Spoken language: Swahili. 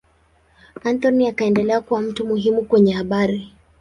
Anthony akaendelea kuwa mtu muhimu kwenye habari.